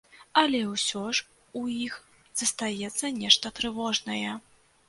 Але ўсё ж у іх застаецца нешта трывожнае.